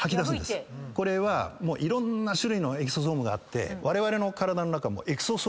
これはいろんな種類のエクソソームがあってわれわれの。